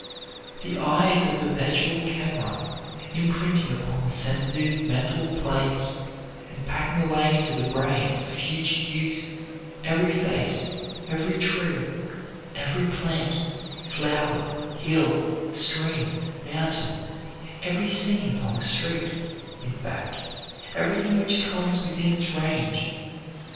The eye is a perpetual camera imprinting upon the sensitive mental plates and packing away in the brain for future use every face, every tree, every plant, flower, hill, stream, mountain, every scene upon the street, in fact, everything which comes within its range.